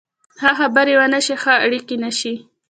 که ښه خبرې ونه شي، ښه اړیکې نشي